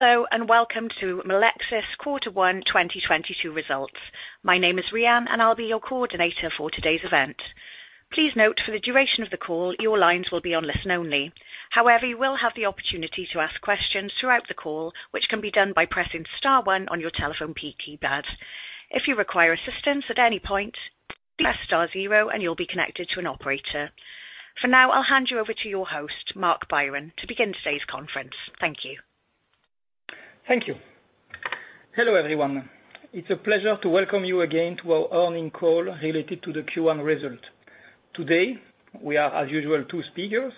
Hello, and welcome to Melexis Q1 2022 results. My name is Rianne, and I'll be your coordinator for today's event. Please note for the duration of the call, your lines will be on listen only. However, you will have the opportunity to ask questions throughout the call, which can be done by pressing star one on your telephone key keypad. If you require assistance at any point, press star zero and you'll be connected to an operator. For now, I'll hand you over to your host, Marc Biron, to begin today's conference. Thank you. Thank you. Hello, everyone. It's a pleasure to welcome you again to our earnings call related to the Q1 result. Today, we are, as usual, two speakers,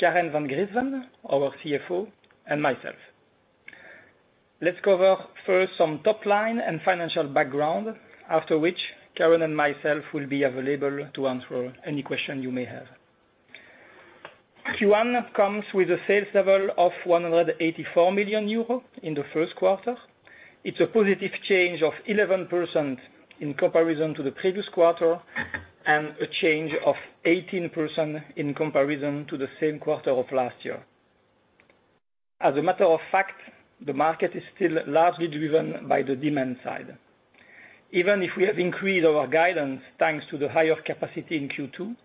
Karen van Griensven, our CFO, and myself. Let's cover first some top line and financial background, after which Karen and myself will be available to answer any question you may have. Q1 comes with a sales level of 184 million euro in the first quarter. It's a positive change of 11% in comparison to the previous quarter, and a change of 18% in comparison to the same quarter of last year. As a matter of fact, the market is still largely driven by the demand side. Even if we have increased our guidance, thanks to the higher capacity in Q2,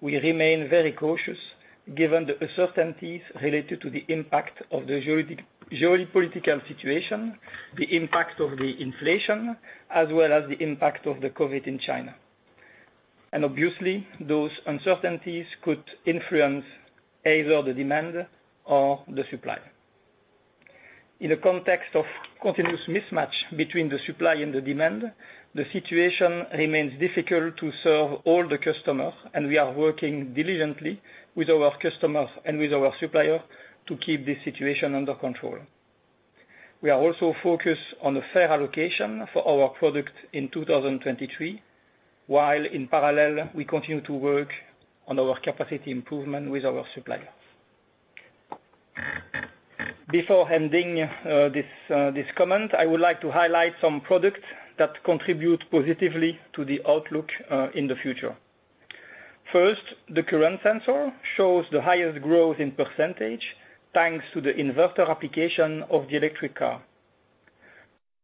we remain very cautious given the uncertainties related to the impact of the geopolitical situation, the impact of the inflation, as well as the impact of the COVID in China. Obviously, those uncertainties could influence either the demand or the supply. In the context of continuous mismatch between the supply and the demand, the situation remains difficult to serve all the customers, and we are working diligently with our customers and with our supplier to keep this situation under control. We are also focused on a fair allocation for our product in 2023, while in parallel, we continue to work on our capacity improvement with our suppliers. Before ending, this comment, I would like to highlight some products that contribute positively to the outlook, in the future. First, the current sensor shows the highest growth in percentage, thanks to the inverter application of the electric car.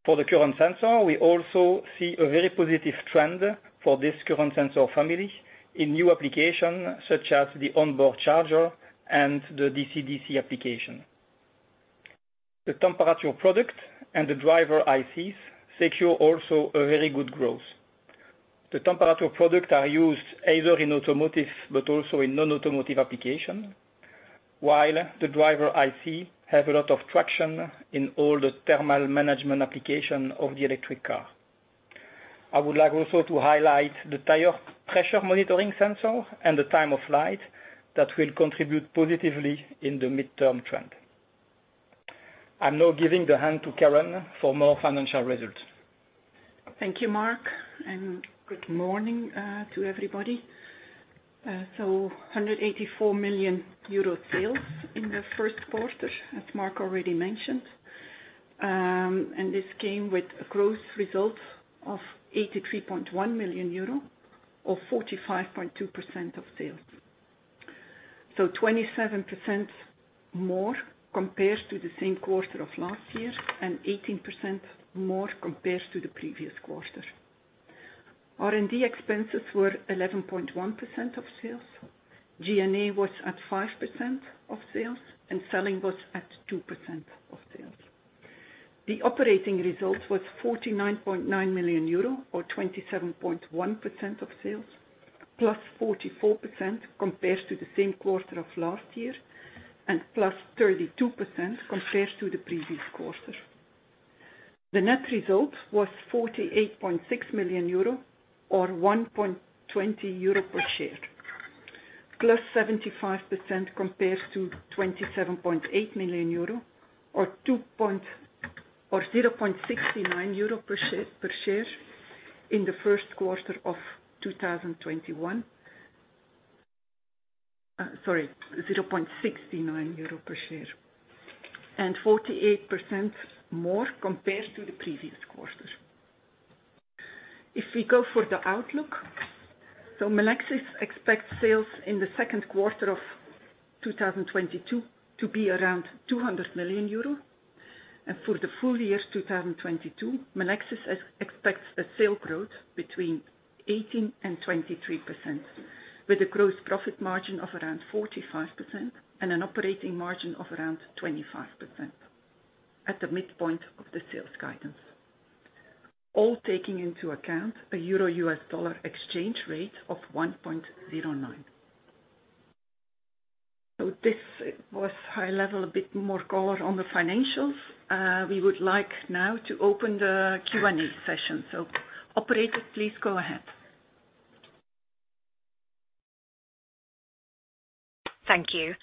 For the current sensor, we also see a very positive trend for this current sensor family in new applications, such as the onboard charger and the DC/DC application. The temperature product and the driver ICs secure also a very good growth. The temperature product are used either in automotive but also in non-automotive application. While the driver IC have a lot of traction in all the thermal management application of the electric car. I would like also to highlight the tire pressure monitoring sensor and the time-of-flight that will contribute positively in the mid-term trend. I'm now giving the hand to Karen for more financial results. Thank you, Marc, and good morning to everybody. 184 million euro sales in the first quarter, as Marc already mentioned. This came with a growth result of 83.1 million euro or 45.2% of sales. 27% more compared to the same quarter of last year and 18% more compared to the previous quarter. R&D expenses were 11.1% of sales. G&A was at 5% of sales, and selling was at 2% of sales. The operating result was 49.9 million euro or 27.1% of sales, plus 44% compared to the same quarter of last year, and plus 32% compared to the previous quarter. The net result was 48.6 million euro or 1.20 euro per share. +75% compared to 27.8 million euro or 0.69 euro per share in the first quarter of 2021. 48% more compared to the previous quarter. If we go for the outlook, Melexis expects sales in the second quarter of 2022 to be around 200 million euro. For the full-year 2022, Melexis expects a sales growth between 18% and 23%, with a gross profit margin of around 45% and an operating margin of around 25% at the midpoint of the sales guidance. All taking into account a euro U.S. dollar exchange rate of 1.09. This was high level, a bit more color on the financials. We would like now to open the Q&A session. Operator, please go ahead. Thank you.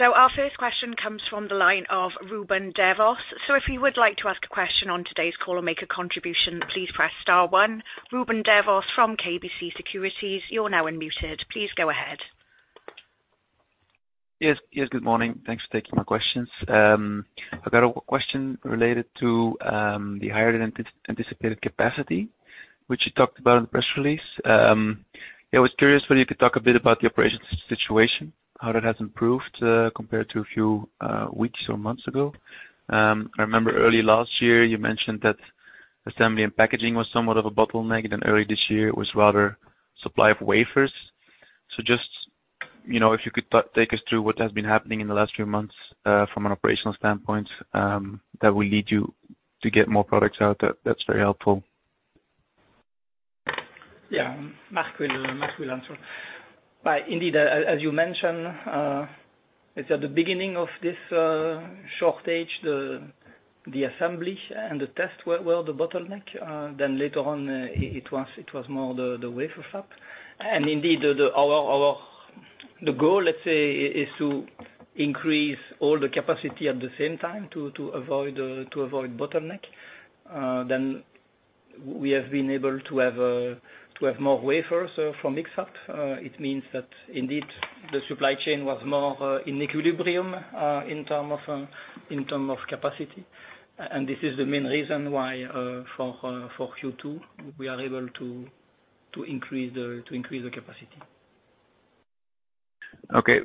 Our first question comes from the line of Ruben Devos. If you would like to ask a question on today's call or make a contribution, please press star one. Ruben Devos from KBC Securities, you're now unmuted. Please go ahead. Yes, yes, good morning. Thanks for taking my questions. I've got a question related to the higher than anticipated capacity, which you talked about in the press release. Yeah, I was curious whether you could talk a bit about the operations situation, how that has improved compared to a few weeks or months ago. I remember early last year you mentioned that assembly and packaging was somewhat of a bottleneck, then early this year it was rather supply of wafers. Just, you know, if you could take us through what has been happening in the last few months from an operational standpoint, that will lead you to get more products out, that's very helpful. Yeah. Marc will answer. Indeed, as you mentioned, it's at the beginning of this shortage, the assembly and the test were the bottleneck. Then later on, it was more the wafer fab. Indeed, the goal, let's say, is to increase all the capacity at the same time to avoid bottleneck. Then we have been able to have more wafers from X-FAB. It means that indeed the supply chain was more in equilibrium in terms of capacity. This is the main reason why, for Q2, we are able to increase the capacity. Okay.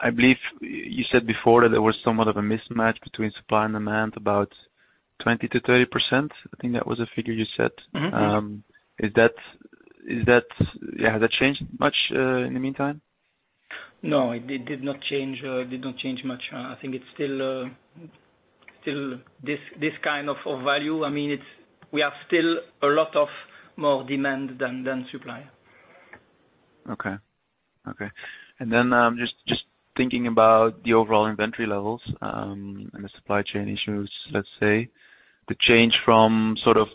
I believe you said before that there was somewhat of a mismatch between supply and demand, about 20%-30%. I think that was the figure you said. Mm-hmm. Is that? Yeah, has that changed much in the meantime? No, it did not change much. I think it's still this kind of value. I mean, we have still a lot more demand than supply. Okay. Okay. Just thinking about the overall inventory levels and the supply chain issues, let's say, the change from sort of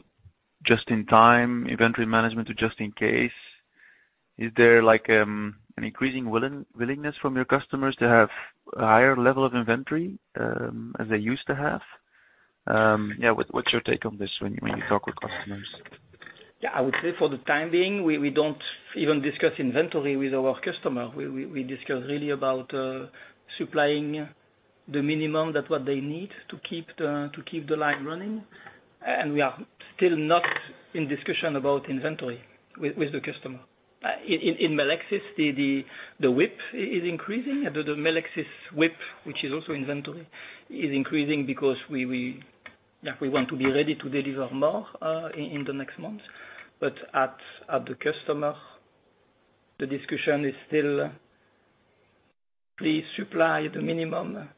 just in time inventory management to just in case. Is there, like, an increasing willingness from your customers to have a higher level of inventory, as they used to have? Yeah, what's your take on this when you talk with customers? Yeah, I would say for the time being, we don't even discuss inventory with our customer. We discuss really about supplying the minimum, what they need to keep the line running. We are still not in discussion about inventory with the customer. In Melexis, the WIP is increasing. The Melexis WIP, which is also inventory, is increasing because we, like, want to be ready to deliver more in the next month. At the customer, the discussion is still, "Please supply the minimum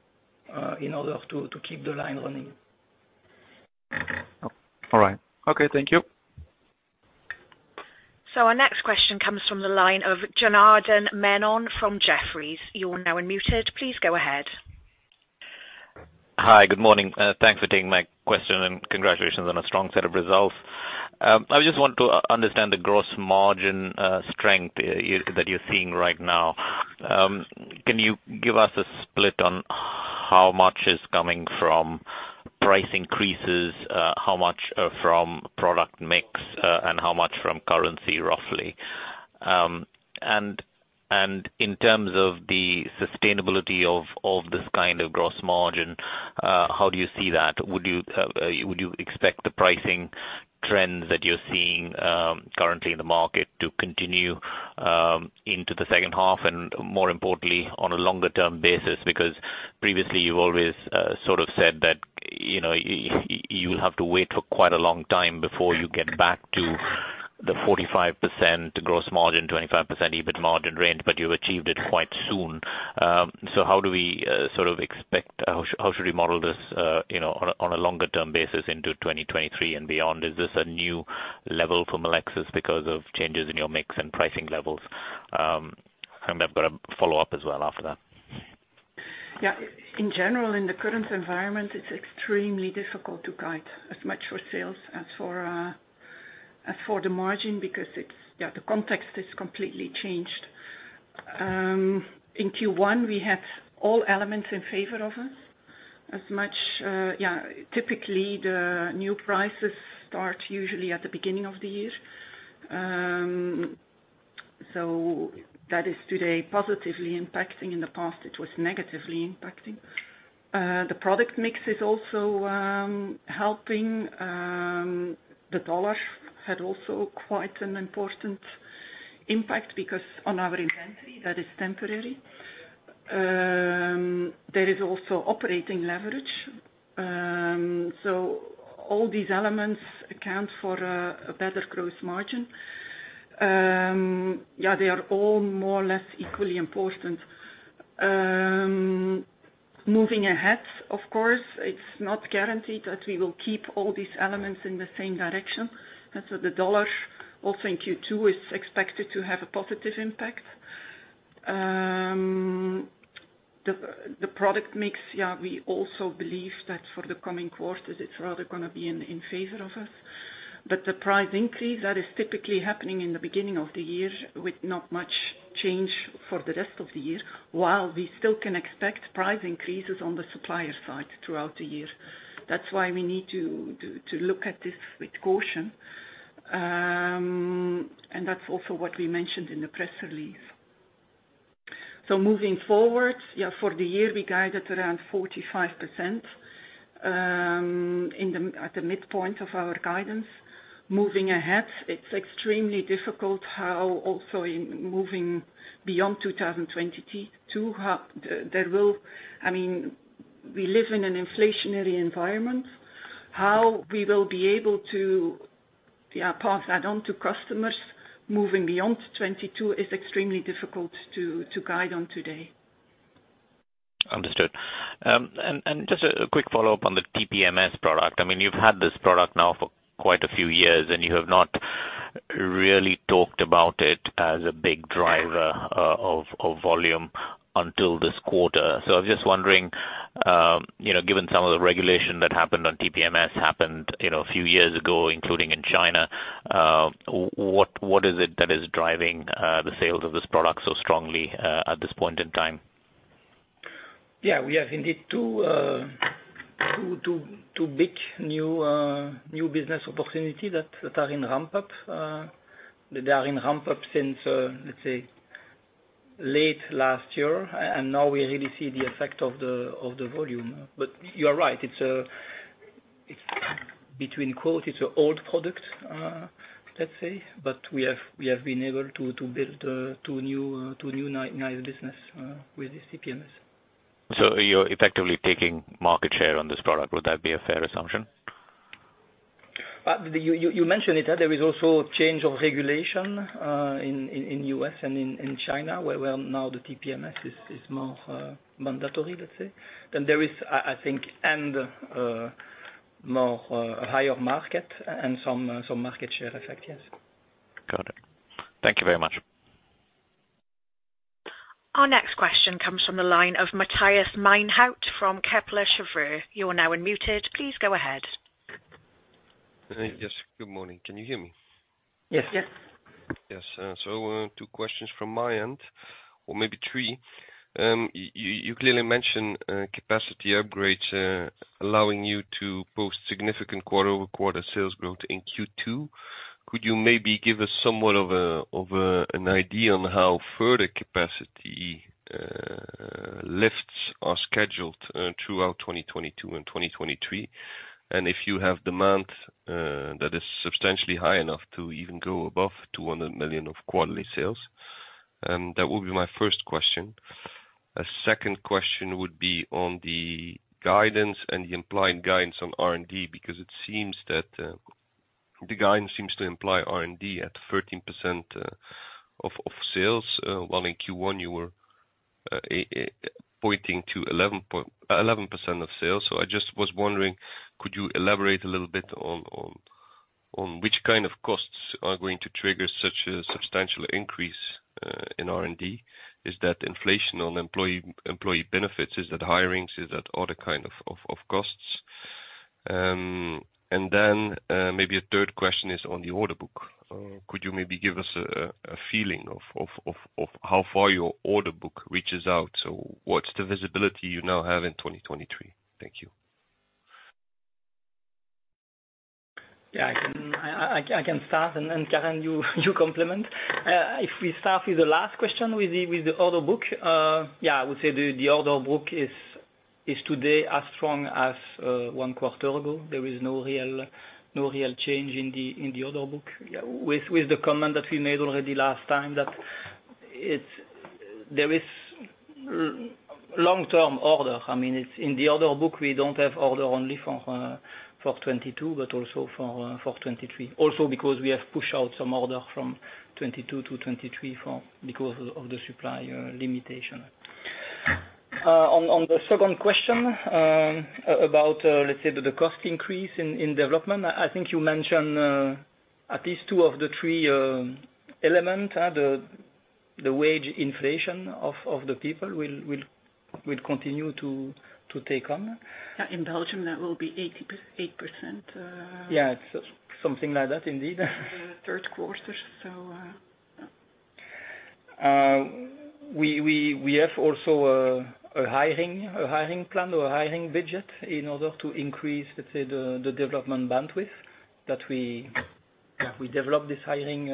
in order to keep the line running. All right. Okay, thank you. Our next question comes from the line of Janardan Menon from Jefferies. You're now unmuted. Please go ahead. Hi. Good morning. Thanks for taking my question, and congratulations on a strong set of results. I just want to understand the gross margin strength that you're seeing right now. Can you give us a split on how much is coming from price increases, how much from product mix, and how much from currency roughly? And in terms of the sustainability of this kind of gross margin, how do you see that? Would you expect the pricing trends that you're seeing currently in the market to continue into the second half, and more importantly, on a longer term basis? Because previously you've always sort of said that, you know, you'll have to wait for quite a long time before you get back to the 45% gross margin, 25% EBIT margin range, but you've achieved it quite soon. How do we sort of expect. How should we model this, you know, on a longer term basis into 2023 and beyond? Is this a new level for Melexis because of changes in your mix and pricing levels? I've got a follow-up as well after that. In general, in the current environment, it's extremely difficult to guide as much for sales as for the margin because the context is completely changed. In Q1, we had all elements in favor of us. Typically, the new prices start usually at the beginning of the year. That is today positively impacting. In the past, it was negatively impacting. The product mix is also helping. The dollar had also quite an important impact because on our inventory that is temporary. There is also operating leverage. All these elements account for a better gross margin. They are all more or less equally important. Moving ahead, of course, it's not guaranteed that we will keep all these elements in the same direction. The dollar, also in Q2, is expected to have a positive impact. The product mix, yeah, we also believe that for the coming quarters it's rather gonna be in favor of us. The price increase, that is typically happening in the beginning of the year with not much change for the rest of the year, while we still can expect price increases on the supplier side throughout the year. That's why we need to look at this with caution. That's also what we mentioned in the press release. Moving forward, yeah, for the year, we guided around 45% at the midpoint of our guidance. Moving ahead, it's extremely difficult, also in moving beyond 2022. I mean, we live in an inflationary environment. How we will be able to, yeah, pass that on to customers moving beyond 2022 is extremely difficult to guide on today. Understood. And just a quick follow-up on the TPMS product. I mean, you've had this product now for quite a few years, and you have not really talked about it as a big driver of volume until this quarter. I was just wondering, you know, given some of the regulation that happened on TPMS a few years ago, including in China, what is it that is driving the sales of this product so strongly at this point in time? Yeah, we have indeed two big new business opportunity that are in ramp-up. They are in ramp-up since let's say late last year. Now we really see the effect of the volume. You are right, it's between quotes an old product, let's say, but we have been able to build two new business with this TPMS. You're effectively taking market share on this product. Would that be a fair assumption? You mentioned it, that there is also a change of regulation in the U.S. and in China, where now the TPMS is more mandatory, let's say. There is, I think, more higher margin and some market share effect, yes. Got it. Thank you very much. Our next question comes from the line of Matthias Meinhardt from Kepler Cheuvreux. You are now unmuted. Please go ahead. Yes. Good morning. Can you hear me? Yes. Yes. Yes. Two questions from my end, or maybe three. You clearly mentioned capacity upgrades allowing you to post significant quarter-over-quarter sales growth in Q2. Could you maybe give us somewhat of an idea on how further capacity lifts are scheduled throughout 2022 and 2023? If you have demand that is substantially high enough to even go above 200 million of quarterly sales. That would be my first question. A second question would be on the guidance and the implied guidance on R&D, because it seems that the guidance seems to imply R&D at 13% of sales, while in Q1 you were pointing to 11% of sales. I just was wondering, could you elaborate a little bit on which kind of costs are going to trigger such a substantial increase in R&D? Is that inflation on employee benefits? Is that hirings? Is that other kind of costs? Then, maybe a third question is on the order book. Could you maybe give us a feeling of how far your order book reaches out? What's the visibility you now have in 2023? Thank you. Yeah, I can start and Karen you complement. If we start with the last question with the order book, yeah, I would say the order book is today as strong as one quarter ago. There is no real change in the order book. Yeah. With the comment that we made already last time that it's. There is long term order. I mean, it's in the order book, we don't have order only for 2022, but also for 2023. Also, because we have pushed out some order from 2022 to 2023. Because of the supply limitation. On the second question, about let's say the cost increase in development. I think you mentioned at least two of the three element. The wage inflation of the people will continue to take on. Yeah, in Belgium, that will be 8%. Yeah. It's something like that, indeed. For the third quarter. Yeah. We have also a hiring plan or a hiring budget in order to increase, let's say, the development bandwidth that we- Yeah. We develop this hiring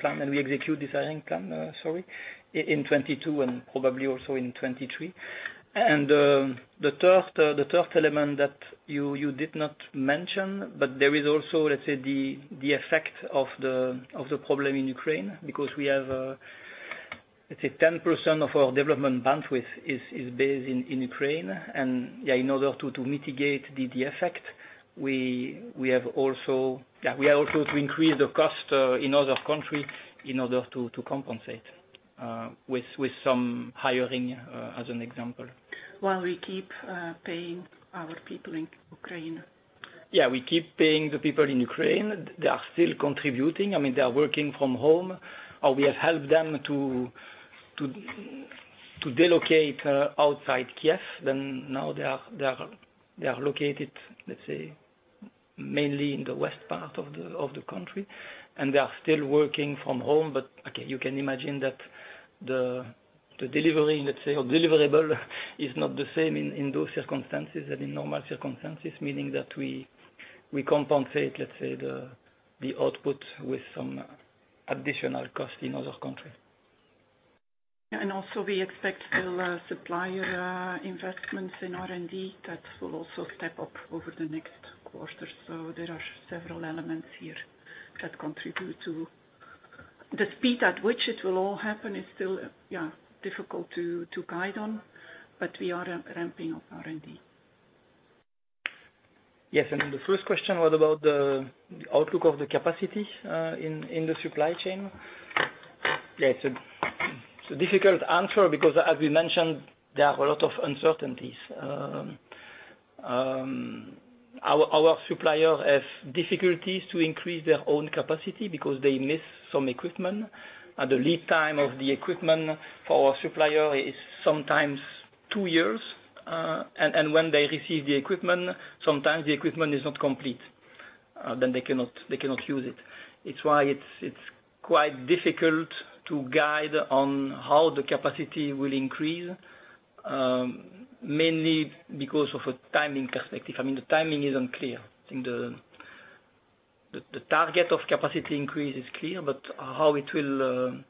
plan, and we execute this hiring plan, sorry, in 2022 and probably also in 2023. The third element that you did not mention, but there is also, let's say, the effect of the problem in Ukraine, because we have, let's say, 10% of our development bandwidth is based in Ukraine. Yeah, in order to mitigate the effect, we are also to increase the cost in other country in order to compensate with some hiring, as an example. While we keep paying our people in Ukraine. Yeah, we keep paying the people in Ukraine. They are still contributing. I mean, they are working from home, or we have helped them to relocate outside Kyiv. Now they are located, let's say, mainly in the west part of the country, and they are still working from home. Again, you can imagine that the delivery, let's say, or deliverable is not the same in those circumstances than in normal circumstances. Meaning that we compensate, let's say, the output with some additional cost in other countries. Also we expect supplier investments in R&D that will also step up over the next quarter. There are several elements here that contribute to the speed at which it will all happen, is still, yeah, difficult to guide on, but we are ramping up R&D. Yes. The first question was about the outlook of the capacity in the supply chain. Yes, it's a difficult answer because as we mentioned, there are a lot of uncertainties. Our supplier have difficulties to increase their own capacity because they miss some equipment. The lead time of the equipment for our supplier is sometimes two years, and when they receive the equipment, sometimes the equipment is not complete, then they cannot use it. It's why it's quite difficult to guide on how the capacity will increase, mainly because of a timing perspective. I mean, the timing is unclear. I think the target of capacity increase is clear, but how it will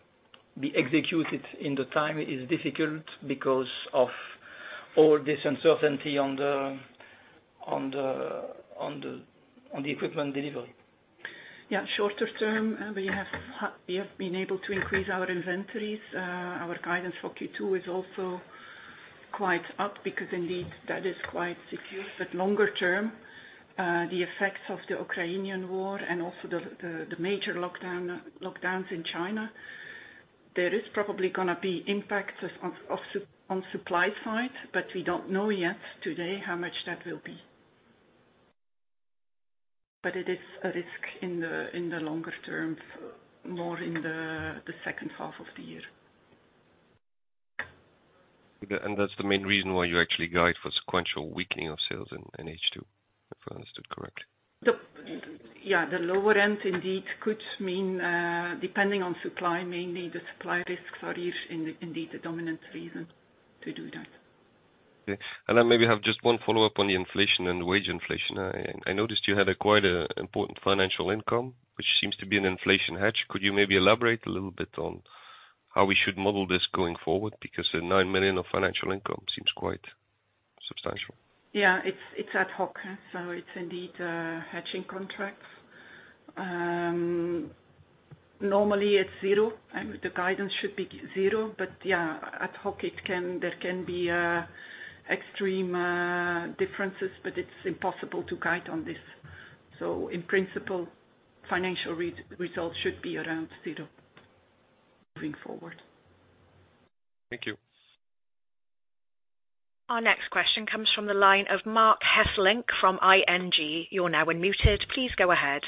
be executed in the time is difficult because of all this uncertainty on the equipment delivery. Yeah. Shorter term, we have been able to increase our inventories. Our guidance for Q2 is also quite up because indeed that is quite secure. Longer term, the effects of the Ukrainian war and also the major lockdowns in China, there is probably gonna be impacts on supply side, but we don't know yet today how much that will be. It is a risk in the longer term, more in the second half of the year. That's the main reason why you actually guide for sequential weakening of sales in H2, if I understood correctly. Yeah. The lower end indeed could mean, depending on supply, mainly the supply risks are indeed the dominant reason to do that. Okay. Maybe have just one follow-up on the inflation and wage inflation. I noticed you had quite an important financial income, which seems to be an inflation hedge. Could you maybe elaborate a little bit on how we should model this going forward? Because the 9 million of financial income seems quite substantial. Yeah. It's ad hoc, so it's indeed hedging contracts. Normally it's zero. I mean, the guidance should be zero, but yeah, ad hoc it can, there can be extreme differences, but it's impossible to guide on this. In principle, financial results should be around zero moving forward. Thank you. Our next question comes from the line of Marc Hesselink from ING. You're now unmuted. Please go ahead.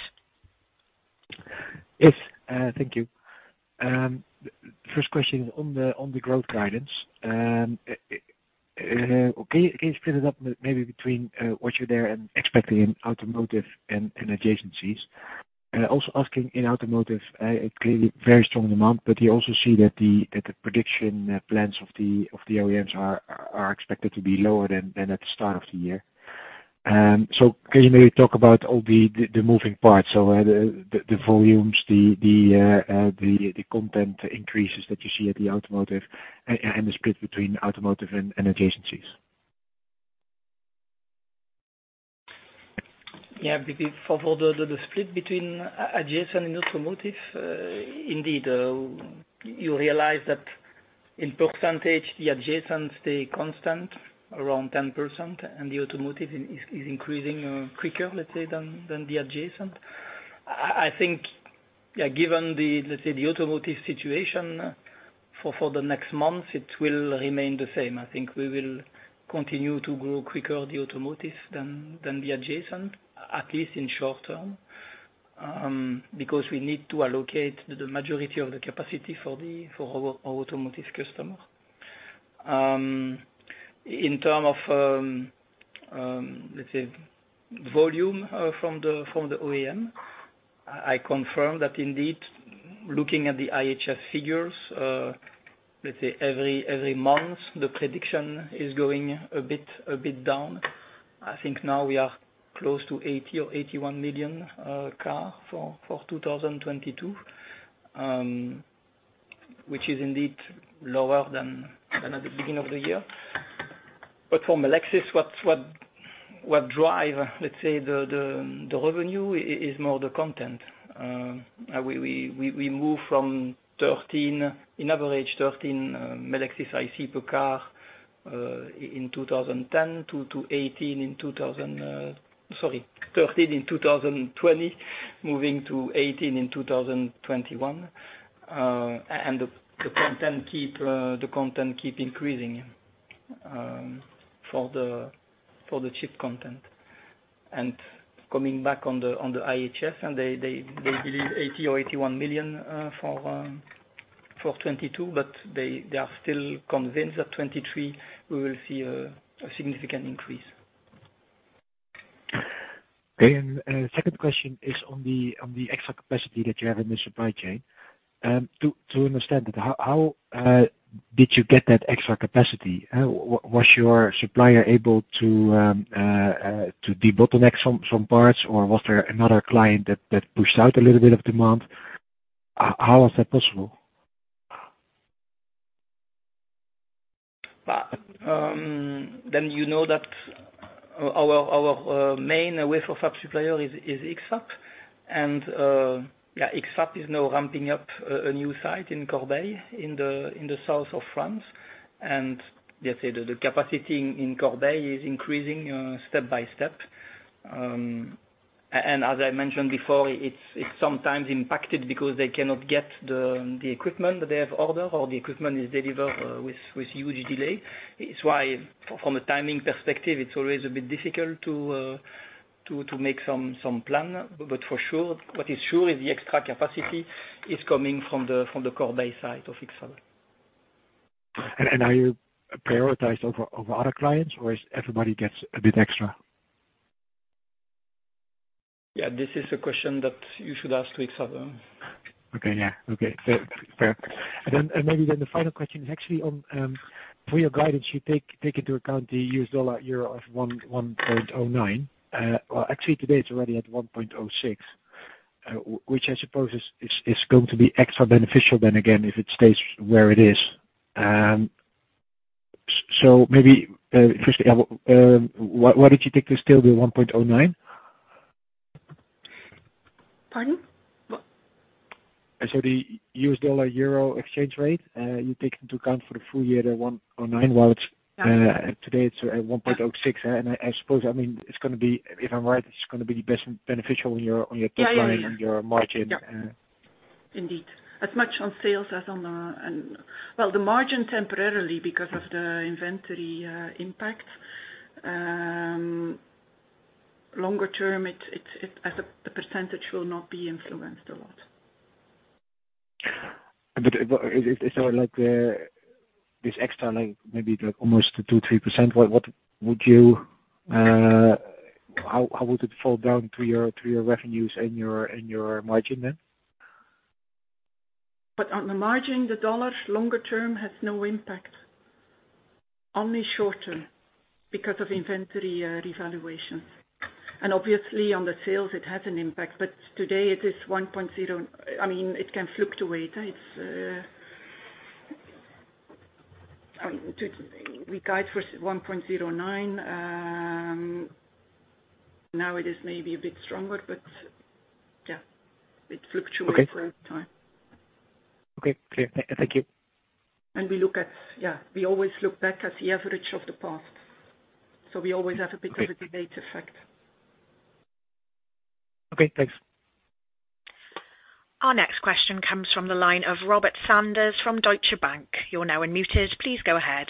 Yes, thank you. First question on the growth guidance. Can you split it up maybe between what you're seeing and expecting in automotive and adjacencies? Also asking in automotive, clearly very strong demand, but you also see that the production plans of the OEMs are expected to be lower than at the start of the year. Can you maybe talk about all the moving parts? The volumes, the content increases that you see at the automotive and the split between automotive and adjacencies. Yeah. For the split between adjacent and automotive, indeed, you realize that in percentage, the adjacents stay constant around 10%, and the automotive is increasing quicker, let's say, than the adjacent. I think, yeah, given the, let's say, the automotive situation for the next month, it will remain the same. I think we will continue to grow quicker the automotive than the adjacent, at least in short term, because we need to allocate the majority of the capacity for our automotive customer. In terms of, let's say volume, from the OEM, I confirm that indeed, looking at the IHS figures, let's say every month the prediction is going a bit down. I think now we are close to 80 or 81 million cars for 2022, which is indeed lower than at the beginning of the year. For Melexis, what drives, let's say, the revenue is more the content. We move from 13, on average 13, Melexis IC per car in 2010 to 18 in 2000. Sorry, 13 in 2020, moving to 18 in 2021. The content keeps increasing for the chip content. Coming back on the IHS and they believe 80 or 81 million for 2022, but they are still convinced that 2023 we will see a significant increase. Okay. Second question is on the extra capacity that you have in the supply chain. To understand it, how did you get that extra capacity? Was your supplier able to debottleneck some parts, or was there another client that pushed out a little bit of demand? How was that possible? You know that our main wafer fab supplier is X-FAB. X-FAB is now ramping up a new site in Corbeil-Essonnes in the south of France. Let's say the capacity in Corbeil-Essonnes is increasing step by step. As I mentioned before, it's sometimes impacted because they cannot get the equipment that they have ordered or the equipment is delivered with huge delay. It's why from a timing perspective, it's always a bit difficult to make some plan. For sure, what is sure is the extra capacity is coming from the Corbeil-Essonnes side of X-FAB. Are you prioritized over other clients or is everybody gets a bit extra? Yeah, this is a question that you should ask to X-FAB. Okay. Yeah. Okay. Fair. Maybe then the final question is actually on for your guidance, you take into account the U.S. dollar/euro of 1.09. Well, actually today it's already at 1.06, which I suppose is going to be extra beneficial, then again if it stays where it is. Maybe firstly, why did you think this still be 1.09? Pardon? What? I said the U.S. dollar/euro exchange rate, you take into account for the full-year at 1.09, while it's- Yeah. Today it's at 1.06. Yeah. I suppose, I mean, it's gonna be. If I'm right, it's gonna be beneficial on your. Yeah, yeah. Top line and your margin. Yeah. Indeed. As much on sales as on, well, the margin temporarily because of the inventory impact. Longer term, it as a percentage will not be influenced a lot. Is there like this extra like maybe like almost 2%-3%, what would you how would it fall down to your revenues and your margin then? On the margin, the dollar longer term has no impact. Only short-term because of inventory revaluation. Obviously on the sales it has an impact, but today it is 1.0. I mean, it can fluctuate. It's I mean, we guide for 1.09. Now it is maybe a bit stronger, but yeah, it fluctuates- Okay. From time. Okay. Clear. Thank you. Yeah, we always look back at the average of the past. We always have a bit- Okay. Of a delayed effect. Okay, thanks. Our next question comes from the line of Robert Sanders from Deutsche Bank. You're now unmuted. Please go ahead.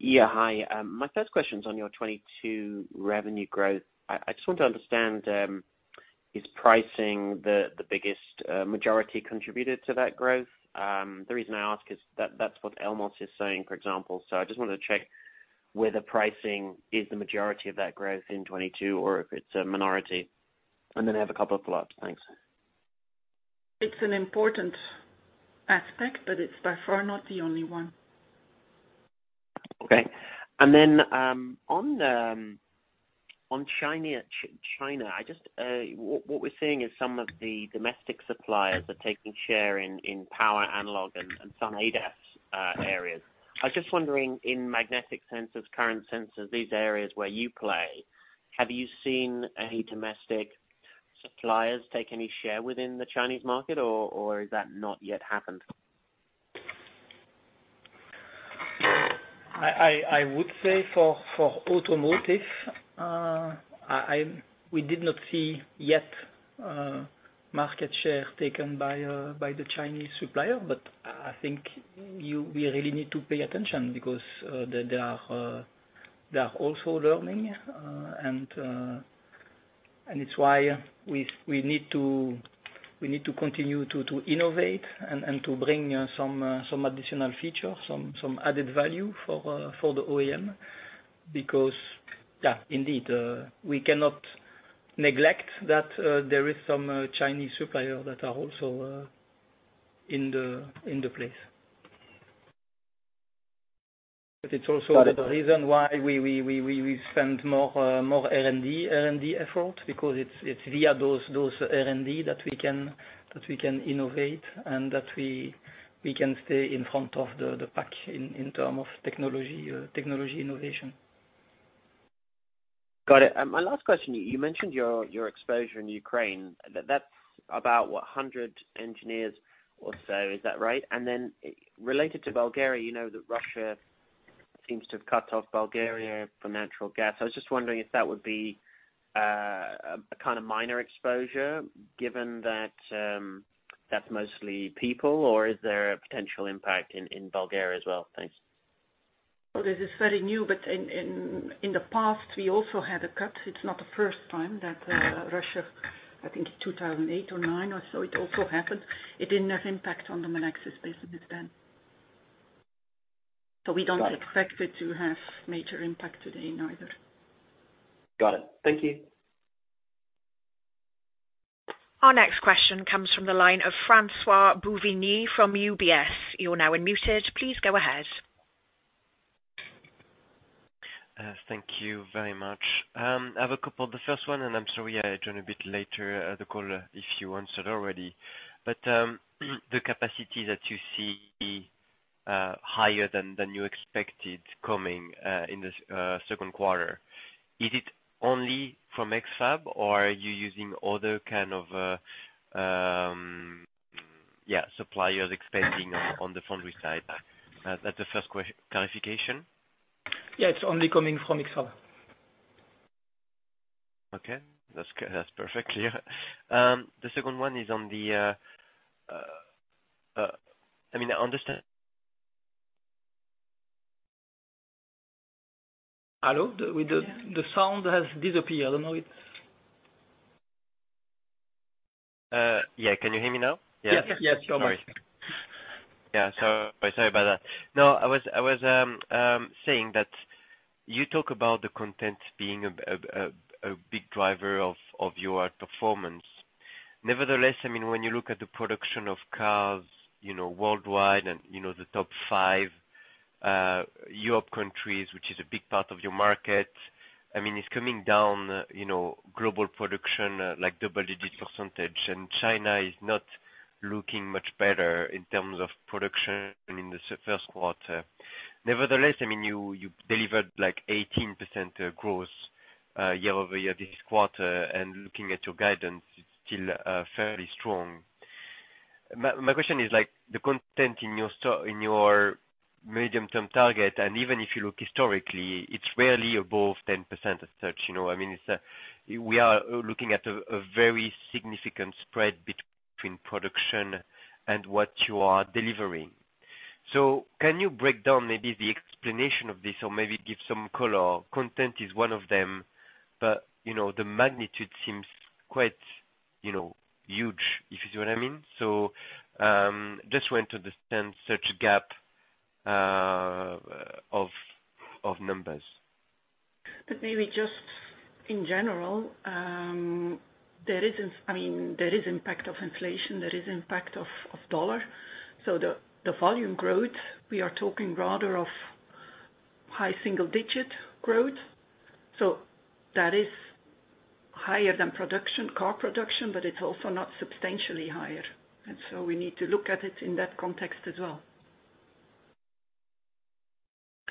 Yeah. Hi. My first question's on your 2022 revenue growth. I just want to understand, is pricing the biggest majority contributor to that growth? The reason I ask is that's what Elmos is saying, for example. I just wanted to check whether pricing is the majority of that growth in 2022 or if it's a minority. I have a couple of follow-ups. Thanks. It's an important aspect, but it's by far not the only one. Okay. On China, what we're seeing is some of the domestic suppliers are taking share in power analog and some ADAS areas. I was just wondering, in magnetic sensors, current sensors, these areas where you play, have you seen any domestic suppliers take any share within the Chinese market or has that not yet happened? I would say for automotive. We did not see yet market share taken by the Chinese supplier, but I think we really need to pay attention because they are also learning. It's why we need to continue to innovate and to bring some additional features, some added value for the OEM. Because, indeed, we cannot neglect that there is some Chinese supplier that are also in the place. It's also the reason why we spend more R&D effort because it's via those R&D that we can innovate and that we can stay in front of the pack in terms of technology innovation. Got it. My last question, you mentioned your exposure in Ukraine. That's about what? 100 engineers or so, is that right? Related to Bulgaria, you know that Russia seems to have cut off Bulgaria from natural gas. I was just wondering if that would be a kind of minor exposure given that's mostly people or is there a potential impact in Bulgaria as well? Thanks. Well, this is very new, but in the past, we also had a cut. It's not the first time that Russia, I think 2008 or 2009 or so, it also happened. It didn't have impact on the Melexis business then. Got it. We don't expect it to have major impact today neither. Got it. Thank you. Our next question comes from the line of François Bouvignies from UBS. You're now unmuted. Please go ahead. Thank you very much. I have a couple. The first one. I'm sorry I joined a bit later, the call if you answered already. The capacity that you see higher than you expected coming in the second quarter. Is it only from X-FAB or are you using other kind of suppliers expanding on the foundry side? That's the first clarification. Yeah, it's only coming from X-FAB. Okay. That's perfect, clear. The second one is on the. I mean, I understa- Hello? The sound has disappeared. Yeah. Can you hear me now? Yeah. Yes. Yes. Sorry. Yeah. Sorry about that. No, I was saying that you talk about the content being a big driver of your performance. Nevertheless, I mean, when you look at the production of cars, you know, worldwide and, you know, the top five European countries, which is a big part of your market, I mean, it's coming down, you know, global production, like double-digit percentage, and China is not looking much better in terms of production in the first quarter. Nevertheless, I mean, you delivered like 18% growth year-over-year this quarter, and looking at your guidance, it's still fairly strong. My question is like the content in your medium-term target, and even if you look historically, it's rarely above 10% as such, you know what I mean? We are looking at a very significant spread between production and what you are delivering. Can you break down maybe the explanation of this or maybe give some color? Constraint is one of them, but, you know, the magnitude seems quite, you know, huge. If you see what I mean? Just want to understand such gap of numbers. Maybe just in general, I mean, there is impact of inflation, there is impact of dollar. The volume growth, we are talking rather of high single digit growth. That is higher than production, car production, but it's also not substantially higher. We need to look at it in that context as well.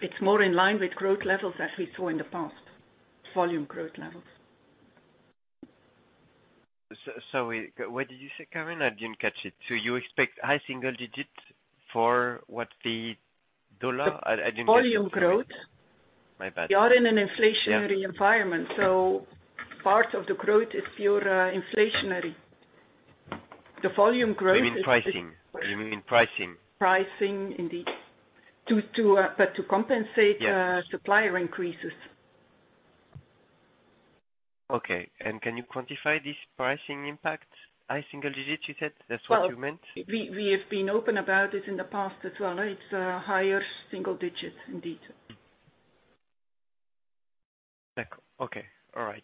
It's more in line with growth levels as we saw in the past, volume growth levels. Sorry, what did you say, Karen? I didn't catch it. You expect high single digits for what? The dollar? I didn't get it. The volume growth. My bad. We are in an inflationary environment. Yeah. Part of the growth is pure, inflationary. The volume growth is- You mean pricing? You mean in pricing? Pricing, indeed. To compensate. Yes. Supplier increases. Okay. Can you quantify this pricing impact? High single digits, you said? That's what you meant? Well, we have been open about it in the past as well. It's higher single digits indeed. Okay. All right.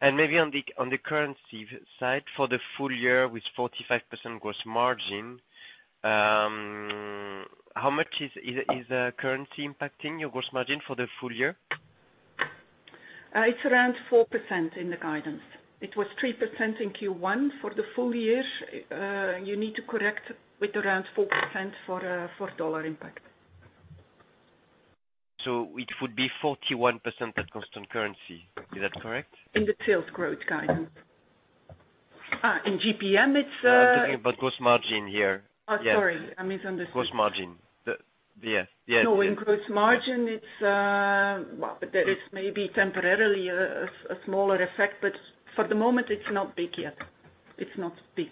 Maybe on the currency side, for the full-year with 45% gross margin, how much is currency impacting your gross margin for the full-year? It's around 4% in the guidance. It was 3% in Q1. For the full-year, you need to correct with around 4% for dollar impact. It would be 41% at constant currency. Is that correct? In the sales growth guidance. In GPM, it's I'm talking about gross margin here. Oh, sorry. I misunderstood. Gross margin. Yeah. No. In gross margin, it's. Well, there is maybe temporarily a smaller effect, but for the moment, it's not big yet. It's not big.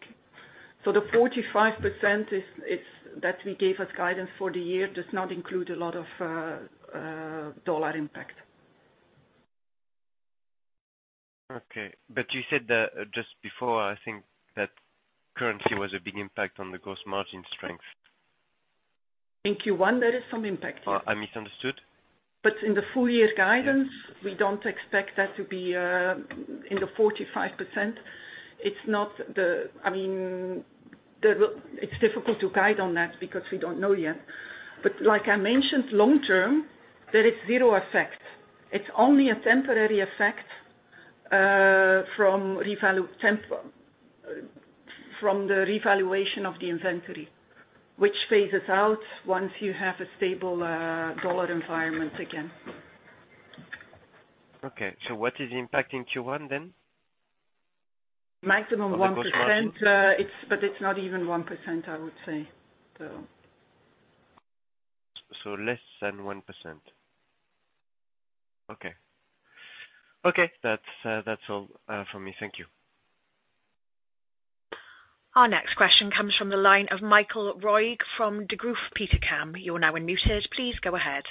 The 45% that we gave as guidance for the year does not include a lot of dollar impact. Okay. You said that just before, I think that currency was a big impact on the gross margin strength. In Q1, there is some impact, yeah. Oh, I misunderstood. In the full-year's guidance. Yeah. We don't expect that to be in the 45%. It's not. I mean, it's difficult to guide on that because we don't know yet. Like I mentioned, long term, there is zero effect. It's only a temporary effect from the revaluation of the inventory, which phases out once you have a stable dollar environment again. Okay. What is impacting Q1 then? Maximum 1%. The gross margin. It's not even 1%, I would say. Less than 1%. Okay. That's all from me. Thank you. Our next question comes from the line of Michael Roeg from Degroof Petercam. You're now unmuted. Please go ahead.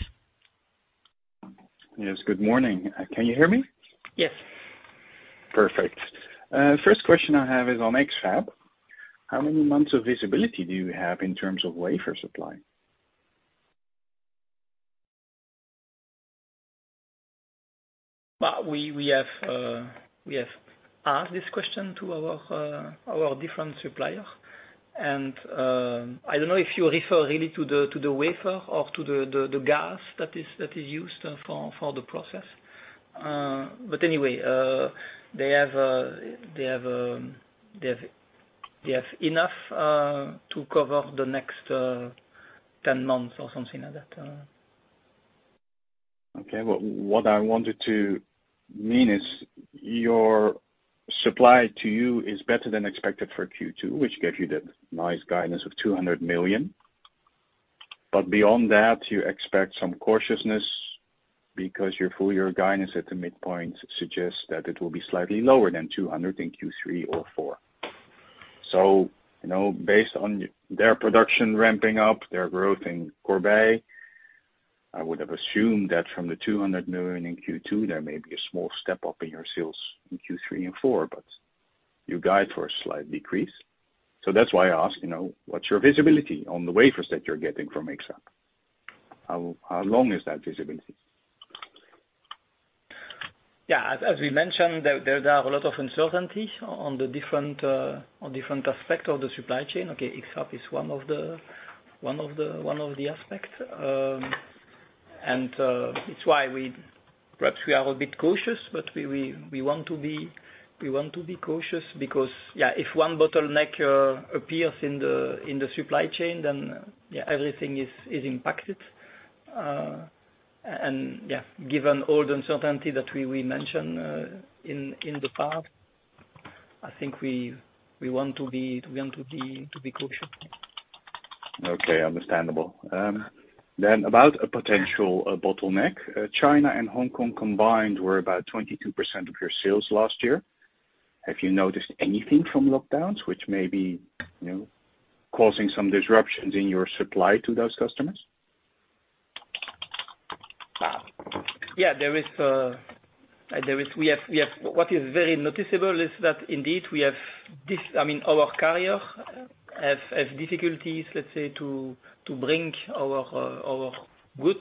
Yes. Good morning. Can you hear me? Yes. Perfect. First question I have is on X-FAB. How many months of visibility do you have in terms of wafer supply? We have asked this question to our different supplier. I don't know if you refer really to the wafer or to the gas that is used for the process. Anyway, they have enough to cover the next 10 months or something like that. Okay. Well, what I wanted to mean is your supply to you is better than expected for Q2, which gives you the nice guidance of 200 million. Beyond that, you expect some cautiousness because your full-year guidance at the midpoint suggests that it will be slightly lower than 200 million in Q3 or Q4. You know, based on their production ramping up, their growth in Corbeil-Essonnes, I would have assumed that from the 200 million in Q2, there may be a small step up in your sales in Q3 and Q4, but you guide for a slight decrease. That's why I ask, you know, what's your visibility on the wafers that you're getting from X-FAB? How long is that visibility? Yeah. As we mentioned, there are a lot of uncertainties on different aspects of the supply chain. Okay. X-FAB is one of the aspects. Perhaps we are a bit cautious, but we want to be cautious because if one bottleneck appears in the supply chain, then everything is impacted. Given all the uncertainty that we mentioned in the past, I think we want to be cautious. Okay. Understandable. About a potential bottleneck. China and Hong Kong combined were about 22% of your sales last year. Have you noticed anything from lockdowns which may be, you know, causing some disruptions in your supply to those customers? Yeah. What is very noticeable is that indeed we have this. I mean, our carriers have difficulties, let's say, to bring our goods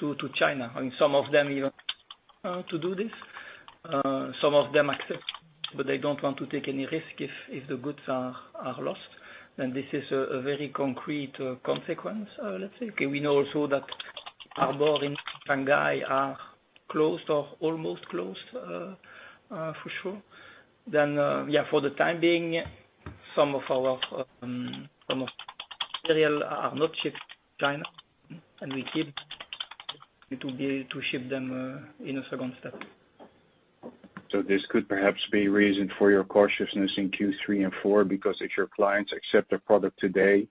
to China, and some of them even to do this. Some of them accept, but they don't want to take any risk if the goods are lost, then this is a very concrete consequence, let's say. Okay. We know also that harbors in Shanghai are closed or almost closed, for sure. For the time being, some of our materials are not shipped to China, and we keep to be able to ship them in a second step. This could perhaps be reason for your cautiousness in Q3 and Q4, because if your clients accept a product today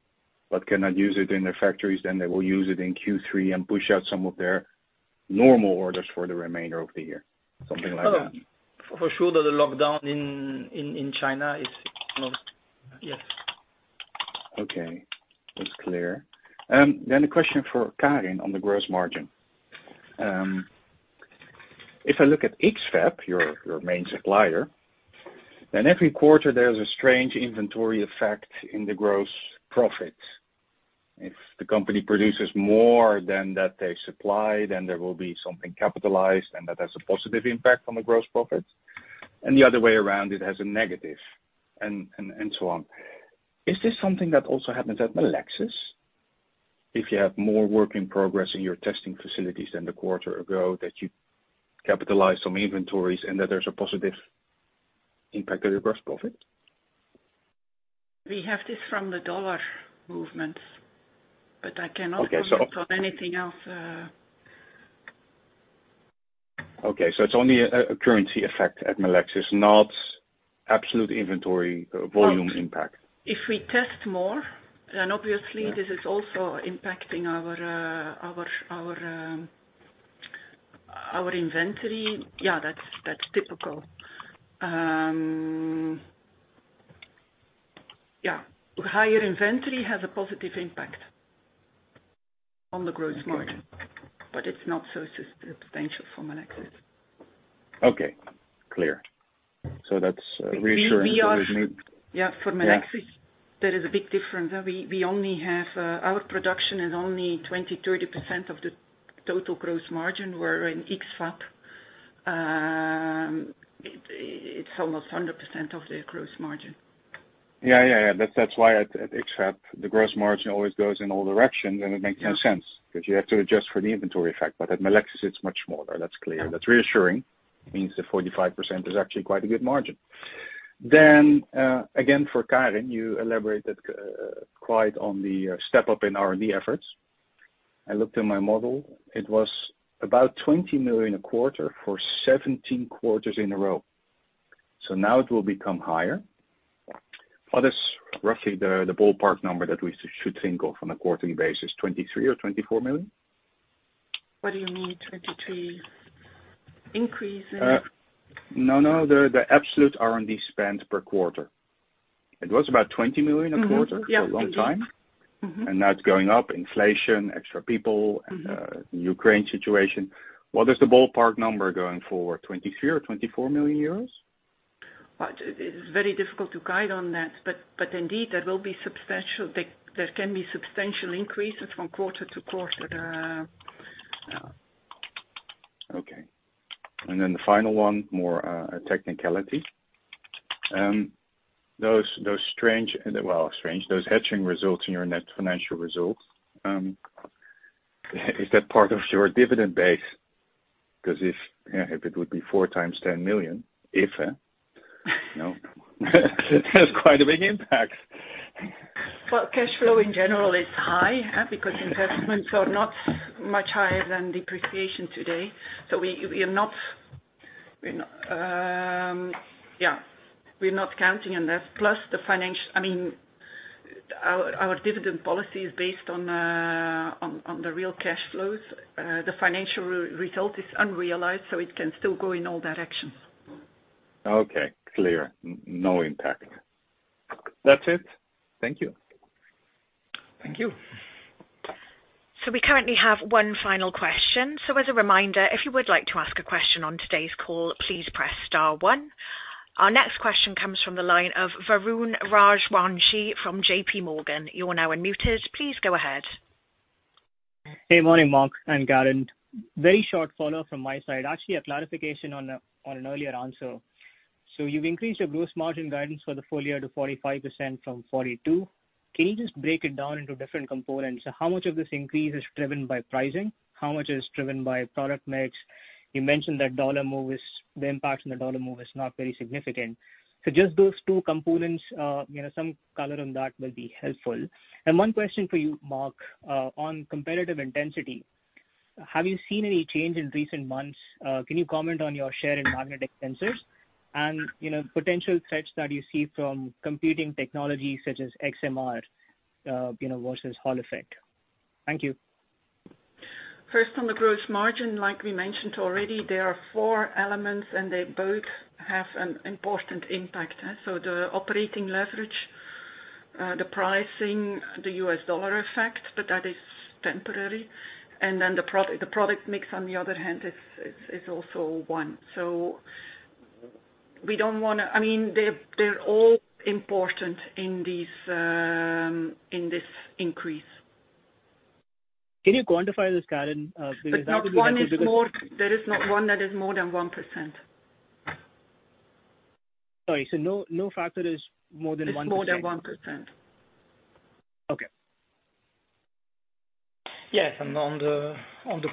but cannot use it in their factories, then they will use it in Q3 and push out some of their normal orders for the remainder of the year. Something like that. For sure that the lockdown in China is closed. Yes. Okay. That's clear. A question for Karen on the gross margin. If I look at X-FAB, your main supplier, then every quarter there's a strange inventory effect in the gross profit. If the company produces more than they supplied, and there will be something capitalized, and that has a positive impact on the gross profit, and the other way around, it has a negative and so on. Is this something that also happens at Melexis? If you have more work in progress in your testing facilities than the quarter ago that you capitalize some inventories and that there's a positive impact on your gross profit. We have this from the dollar movement, but I cannot comment. Okay. On anything else. Okay. It's only a currency effect at Melexis, not absolute inventory volume impact. If we test more, then obviously this is also impacting our inventory. Yeah. That's typical. Higher inventory has a positive impact on the gross margin. Okay. It's not so. Such potential for Melexis. Okay. Clear. That's reassuring. Yeah. For Melexis, there is a big difference. We only have our production is only 20%-30% of the total gross margin, where in X-FAB it's almost 100% of their gross margin. That's why at X-FAB the gross margin always goes in all directions, and it makes no sense 'cause you have to adjust for the inventory effect. At Melexis it's much smaller. That's clear. That's reassuring. Means the 45% is actually quite a good margin. Again, for Karen, you elaborated quite on the step up in R&D efforts. I looked in my model, it was about 20 million a quarter for 17 quarters in a row, so now it will become higher. What is roughly the ballpark number that we should think of on a quarterly basis, 23 million or 24 million? What do you mean 23 million? No, no. The absolute R&D spend per quarter. It was about 20 million a quarter. Mm-hmm. Yeah. For a long time. Mm-hmm. Now it's going up, inflation, extra people. Mm-hmm. Ukraine situation. What is the ballpark number going forward? 23 million or 24 million euros? It is very difficult to guide on that, but indeed there can be substantial increases from quarter to quarter. Yeah. Okay. The final one, more a technicality. Those strange hedging results in your net financial results, is that part of your dividend base? 'Cause if it would be 40 million. You know. That's quite a big impact. Well, cash flow in general is high, yeah, because investments are not much higher than depreciation today. We're not, we're not counting on that. Plus the financial. I mean, our dividend policy is based on the real cash flows. The financial result is unrealized, so it can still go in all directions. Okay. Clear. No impact. That's it. Thank you. Thank you. We currently have one final question. As a reminder, if you would like to ask a question on today's call, please press star one. Our next question comes from the line of Varun Rajwanshi from JPMorgan. You are now unmuted. Please go ahead. Hey, morning, Marc and Karen. Very short follow-up from my side. Actually, a clarification on an earlier answer. You've increased your gross margin guidance for the full-year to 45% from 42%. Can you just break it down into different components? How much of this increase is driven by pricing? How much is driven by product mix? You mentioned that the impact of the U.S. dollar move is not very significant. Just those two components, you know, some color on that will be helpful. One question for you, Marc, on competitive intensity. Have you seen any change in recent months? Can you comment on your share in magnetic sensors and, you know, potential threats that you see from competing technology such as XMR, you know, versus Hall effect? Thank you. First, on the gross margin, like we mentioned already, there are four elements, and they both have an important impact. The operating leverage, the pricing, the U.S. dollar effect, but that is temporary. Then the product mix, on the other hand, is also one. We don't wanna. I mean, they're all important in this increase. Can you quantify this, Karen? Because that would be helpful. There is not one that is more than 1%. Sorry, no factor is more than 1%. Is more than 1%. Okay. Yes. On the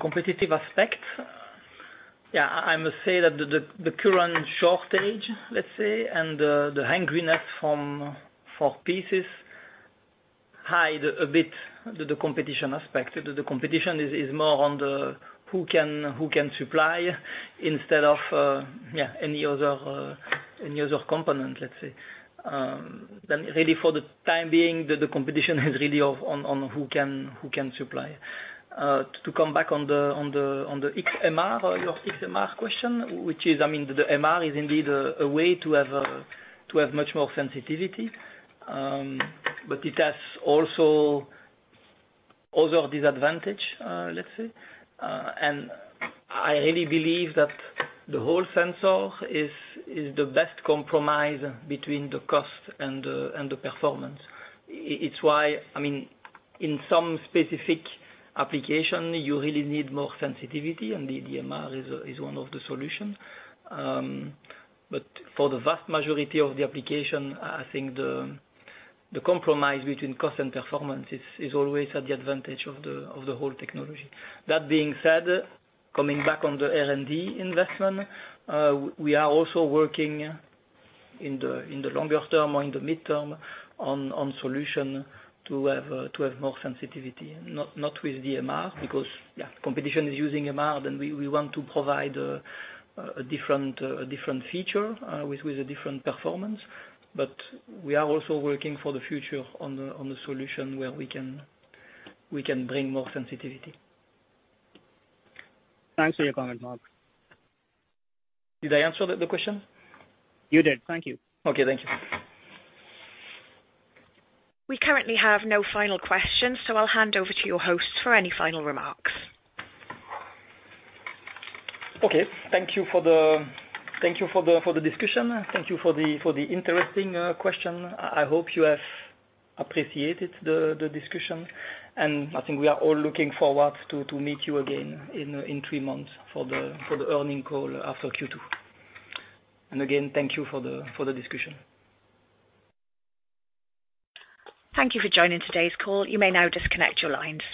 competitive aspect, yeah, I must say that the current shortage, let's say, and the hungriness for pieces hide a bit the competition aspect. The competition is more on who can supply instead of, yeah, any other component, let's say. Really for the time being, the competition is really on who can supply. To come back on the XMR, your XMR question, which is, I mean, the MR is indeed a way to have much more sensitivity. It has also other disadvantage, let's say. I really believe that the Hall sensor is the best compromise between the cost and the performance. It's why. I mean, in some specific application, you really need more sensitivity, and the MR is one of the solutions. But for the vast majority of the application, I think the compromise between cost and performance is always at the advantage of the Hall technology. That being said, coming back on the R&D investment, we are also working in the longer term or in the midterm on solution to have more sensitivity, not with the MR because, yeah, competition is using MR, and we want to provide a different feature with a different performance. We are also working for the future on the solution where we can bring more sensitivity. Thanks for your comment, Marc. Did I answer the question? You did. Thank you. Okay. Thank you. We currently have no final questions, so I'll hand over to your hosts for any final remarks. Okay. Thank you for the discussion. Thank you for the interesting question. I hope you have appreciated the discussion, and I think we are all looking forward to meet you again in three months for the earnings call after Q2. Again, thank you for the discussion. Thank you for joining today's call. You may now disconnect your lines.